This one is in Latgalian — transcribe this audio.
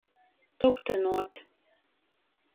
Tuktynuot.